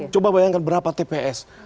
coba bayangkan berapa tps